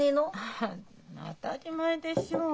ああ当たり前でしょう。